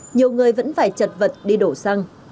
nhiều người vẫn phải chật vật đi đổ xăng